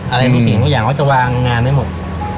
อะไรรู้สึกอย่างเขาจะวางงานได้หมด